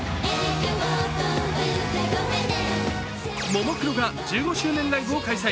ももクロが１５周年ライブを開催。